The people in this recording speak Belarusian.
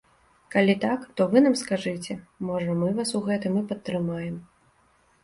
Калі так, то вы нам скажыце, можа мы вас у гэтым і падтрымаем.